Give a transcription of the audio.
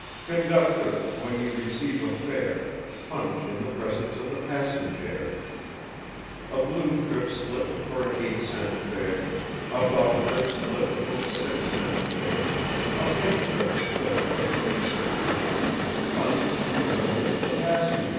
Conductor, when you receive a fare, Punch in the presence of the passenjare! A blue trip slip for an eight cent fare, A buff trip slip for a six cent fare, A pink trip slip for a three cent fare, Punch in the presence of the passenjare!